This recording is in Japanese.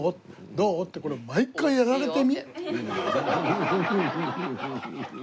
どう？って毎回やられてみ。